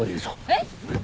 えっ！？